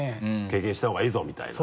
「経験した方がいいぞ」みたいな。